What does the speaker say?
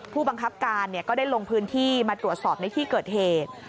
ผู้บังคับการก็ได้ลงพื้นที่มาตรวจสอบในที่เกิดเหตุ